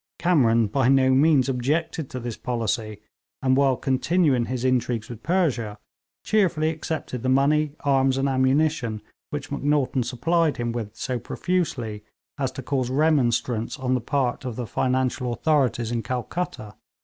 Kamran by no means objected to this policy, and, while continuing his intrigues with Persia, cheerfully accepted the money, arms and ammunition which Macnaghten supplied him with so profusely as to cause remonstrance on the part of the financial authorities in Calcutta.